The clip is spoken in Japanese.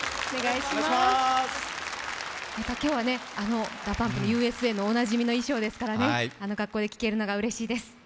今日はＤＡＰＵＭＰの「Ｕ．Ｓ．Ａ．」おなじみの衣装ですからね、あの格好で聴けるのがうれしいです。